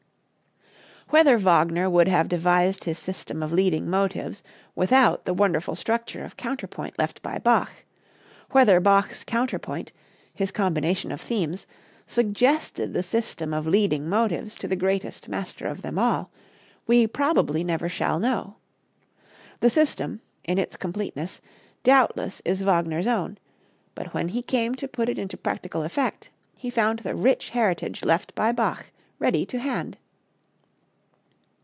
Whether Wagner would have devised his system of leading motives without the wonderful structure of counterpoint left by Bach; whether Bach's counterpoint, his combination of themes, suggested the system of leading motives to the greatest master of them all, we probably never shall know. The system, in its completeness, doubtless is Wagner's own; but when he came to put it into practical effect he found the rich heritage left by Bach ready to hand.